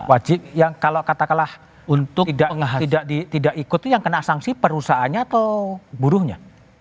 wajib yang kalau katakanlah untuk tidak ikut itu yang kena sanksi perusahaannya atau buruhnya